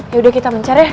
yaudah kita mencar ya